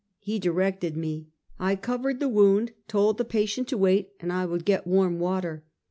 " He directed me. I covered the wound — told the patient to wait and I would get warm water.